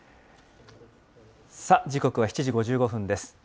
さあ、時刻は７時５５分です。